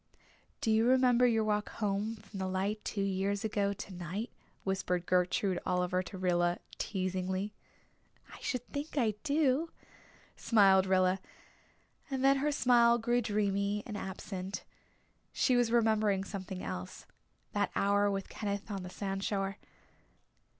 "Do you remember your walk home from the light two years ago tonight?" whispered Gertrude Oliver to Rilla, teasingly. "I should think I do," smiled Rilla; and then her smile grew dreamy and absent; she was remembering something else that hour with Kenneth on the sandshore.